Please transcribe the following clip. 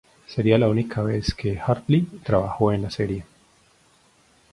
Sería la única vez que Hartley trabajó en la serie.